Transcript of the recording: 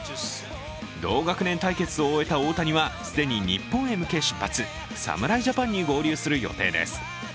同学年対決を終えた大谷は既に日本に向け出発、侍ジャパンに合流する予定です。